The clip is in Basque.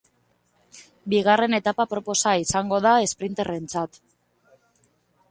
Bigarren etapa aproposa izango da esprinterrentzat.